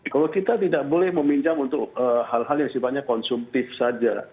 kalau kita tidak boleh meminjam untuk hal hal yang sifatnya konsumtif saja